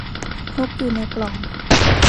นกอยู่ในปล่อง